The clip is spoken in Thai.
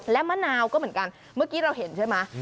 และมะนาวก็เหมือนกันเมื่อกี้เราเห็นใช่ไหม